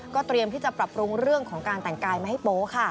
เตรียมที่จะปรับปรุงเรื่องของการแต่งกายมาให้โป๊ค่ะ